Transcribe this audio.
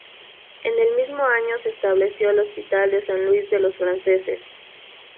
En el mismo año se estableció el hospital de San Luis de los Franceses.